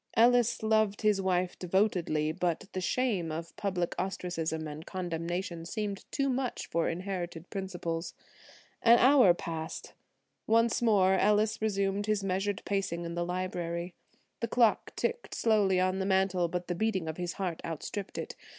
Ellis loved his wife devotedly, but the shame of public ostracism and condemnation seemed too much for inherited principles. An hour passed. Once more Ellis resumed his measured pacing in the library. The clock ticked slowly on the mantel, but the beating of his heart outstripped it.